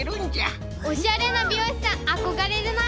おしゃれなびようしさんあこがれるな！